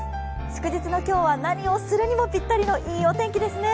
祝日の今日は何をするにもぴったりのいいお天気ですね。